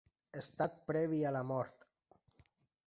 Estat previ a la mort.